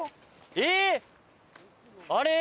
えっ！あれ？